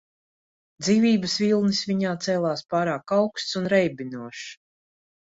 Dzīvības vilnis viņā cēlās pārāk augsts un reibinošs.